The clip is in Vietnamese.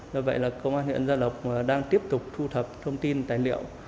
do vậy là công an huyện gia lộc đang tiếp tục thu thập thông tin tài liệu